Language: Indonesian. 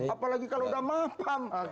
apalagi kalau udah mampam